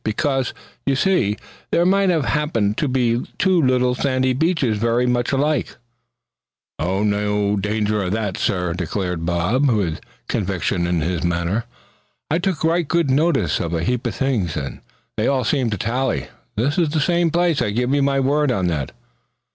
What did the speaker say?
"Because, you see, there might happen to be two little sandy beaches very much alike." "No danger of that, suh!" declared Bob, with conviction in his manner. "I took right good notice of a heap of things, and they all seem to tally. This is the same place, I give you my word on that."